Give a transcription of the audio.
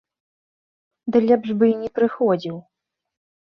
Ды лепш бы і не прыходзіў.